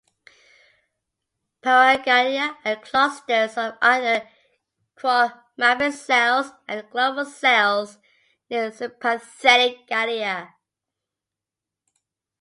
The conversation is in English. Paraganglia are clusters of either chromaffin cells or glomus cells near sympathetic ganglia.